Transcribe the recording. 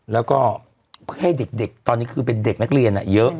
แล้วก็เพื่อให้เด็กตอนนี้คือเป็นเด็กนักเรียนเยอะ